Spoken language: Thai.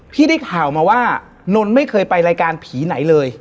พี่ได้ข่าวมาว่านนไม่เคยไปรายการผีไหนเลย